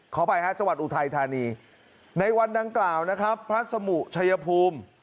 ขออภัยฮะจังหวัดอุทัยธานีในวันดังกล่าวนะครับพระสมุชัยภูมิ